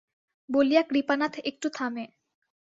বলিয়া কৃপানাথ একটু থামে।